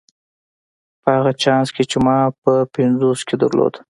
په هغه چانس کې چې ما په پنځوسو کې درلود.